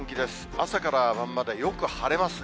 朝から晩までよく晴れますね。